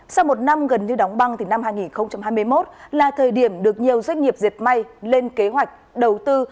sau một năm gần như đóng băng năm hai nghìn hai mươi một là thời điểm được nhiều doanh nghiệp diệt may lên kế hoạch đầu tư